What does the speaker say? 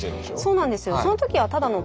そうなんですよ。